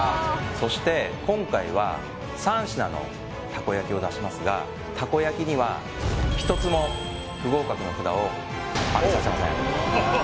そして今回は３品のたこ焼を出しますがたこ焼には１つも不合格の札をあげさせません